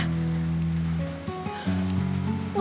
ngebayangin pindah rumah aja udah bikin gue ketakutan banget